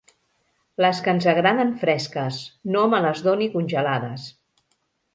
Les que ens agraden fresques; no me les doni congelades.